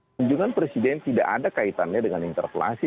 kunjungan presiden tidak ada kaitannya dengan interpelasi